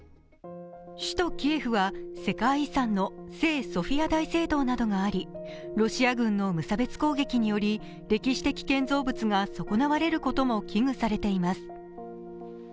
首都キエフは世界遺産の聖ソフィア大聖堂などがあり、ロシア軍の無差別攻撃により歴史的建造物が損なわれることも危惧されています。